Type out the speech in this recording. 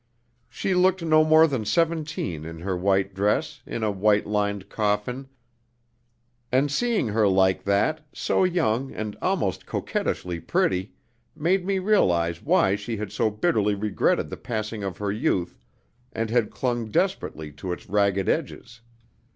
"She looked no more than seventeen in her white dress, in a white lined coffin; and seeing her like that, so young and almost coquettishly pretty, made me realize why she had so bitterly regretted the passing of her youth, and had clung desperately to its ragged edges.